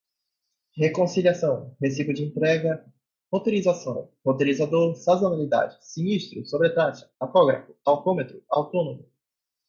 reconciliação recibo de entrega roteirização roteirizador sazonalidade sinistro sobretaxa tacógrafo tacômetro autônomo